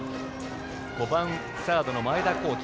５番サードの前田幸毅。